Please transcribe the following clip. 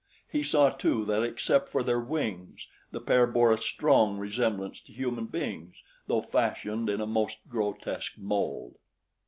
He saw, too, that except for their wings the pair bore a strong resemblance to human beings, though fashioned in a most grotesque mold.